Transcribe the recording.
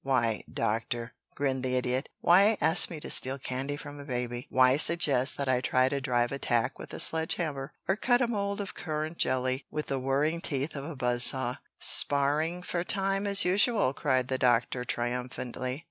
"Why, Doctor," grinned the Idiot, "why ask me to steal candy from a baby? Why suggest that I try to drive a tack with a sledgehammer, or cut a mold of currant jelly with the whirring teeth of a buzz saw " "Sparring for time as usual," cried the Doctor triumphantly.